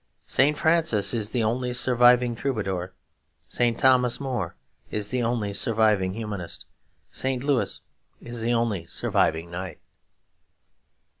St. Francis is the only surviving troubadour. St. Thomas More is the only surviving Humanist. St. Louis is the only surviving knight.